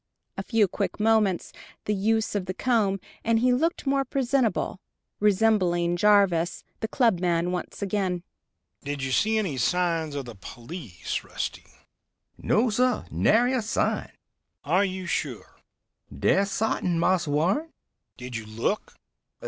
A few quick movements, the use of the comb, and he looked more presentable, resembling Jarvis the clubman once again. "Did you see any signs of the police, Rusty?" "No, sir. Nary a sign." "Are you sure?" "Dead sartin, Marse Warren." "Did you look?"